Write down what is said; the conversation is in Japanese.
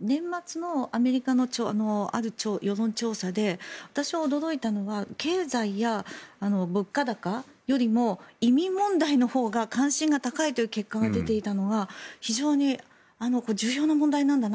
年末のアメリカのある世論調査で私が驚いたのは経済や物価高よりも移民問題のほうが関心が高いという結果が出ていたのが非常に重要な問題なんだな